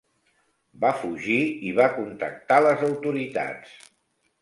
Va fugir i va contactar les autoritats.